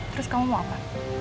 terus kamu mau apa